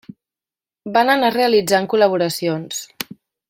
Van anar realitzant col·laboracions.